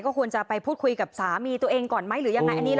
ควรจะไปพูดคุยกับสามีตัวเองก่อนไหมหรือยังไง